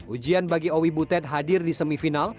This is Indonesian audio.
ujian bagi owi butet hadir di semifinal